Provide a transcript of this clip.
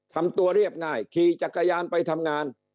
ทำตัวเรียบง่ายขี่จักรยานไปทำงาน